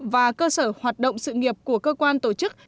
và cơ sở hoạt động sự nghiệp của cơ quan tổ chức